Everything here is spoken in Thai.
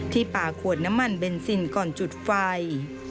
ป่าขวดน้ำมันเบนซินก่อนจุดไฟ